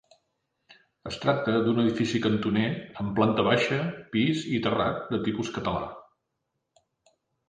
Es tracta d'un edifici cantoner amb planta baixa, pis i terrat de tipus català.